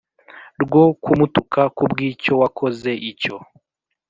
rwo kumutuka ku bw’icyo wakoze icyo